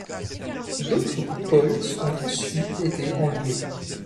D'autres coupoles ont ensuit été inventées.